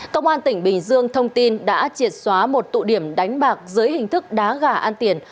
công an tỉnh bình dương thông tin đã triệt xóa một tụ điểm đánh bạc dưới hình thức đá gà ăn tiền